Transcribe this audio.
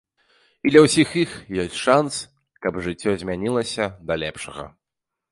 І для ўсіх іх ёсць шанс, каб жыццё змянілася да лепшага.